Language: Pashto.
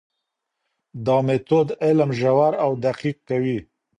دا مېتود علم ژور او دقیق کوي.